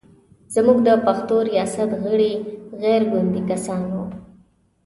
زموږ د پښتو ریاست غړي غیر ګوندي کسان و.